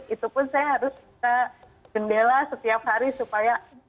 itu pun saya harus kita jendela setiap hari supaya akhirnya keluar